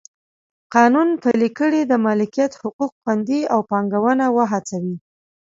قانون پلی کړي د مالکیت حقوق خوندي او پانګونه وهڅوي.